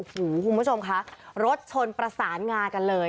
คุณผู้ชมคะรถชนประสานงากันเลย